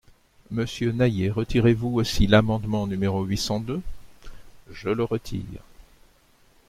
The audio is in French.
Monsieur Naillet, retirez-vous aussi l’amendement numéro huit cent deux ? Je le retire.